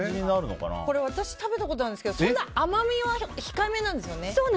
私、食べたことあるんですが甘みは控えめなんですよね。